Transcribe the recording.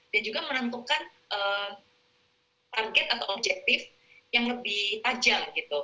dan juga menentukan target atau objektif yang lebih tajam gitu